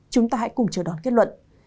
chúng ta hãy cùng chờ đón kết luận